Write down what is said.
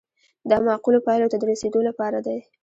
دا معقولو پایلو ته د رسیدو لپاره دی.